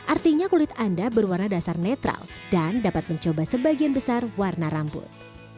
artinya kulit anda berwarna dasar netral dan dapat mencoba sebagian besar warna rambut